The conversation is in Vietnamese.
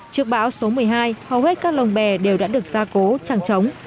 trước bão số một mươi hai hầu hết các lồng bè đều đã được gia cố tràng trống